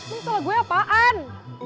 ini salah gue apaan